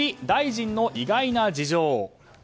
大臣の意外な事情。